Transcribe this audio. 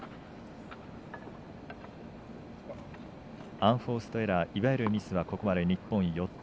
アンフォーストエラーいわゆる、ミスはここまで日本は４つ。